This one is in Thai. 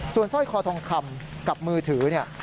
ส่วนสร้อยคอทองคำกับมือถือเนี่ย